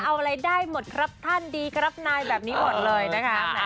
เอาอะไรได้หมดครับท่านดีครับนายแบบนี้หมดเลยนะคะ